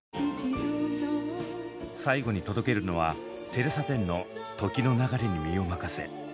最後に届けるのはテレサ・テンの「時の流れに身をまかせ」。